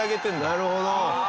なるほど。